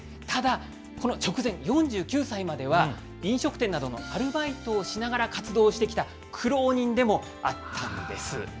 ただ、この直前、４９歳までは、飲食店などのアルバイトをしながら活動してきた苦労人でもあったんです。